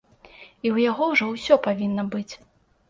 І ў яго ўжо ўсё павінна быць.